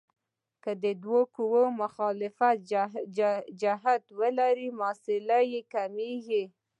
که دوه قوې مخالف جهت ولري محصله یې کموو.